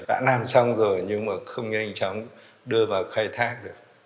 đã làm xong rồi nhưng mà không nhanh chóng đưa vào khai thác được